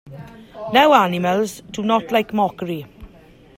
Now animals do not like mockery.